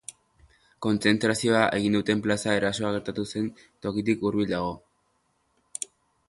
Kontzentrazioa egin duten plaza erasoa gertatu zen tokitik hurbil dago.